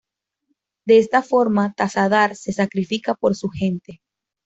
De esta forma Tassadar se sacrifica por su gente.